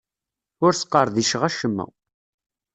Ur sqerdiceɣ acemma.